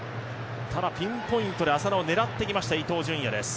ピンポイントで浅野を狙ってきました伊東純也です